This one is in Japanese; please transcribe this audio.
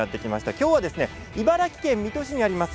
今日は茨城県水戸市にあります